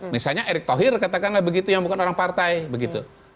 misalnya erick thohir katakanlah begitu yang bukan orang partai begitu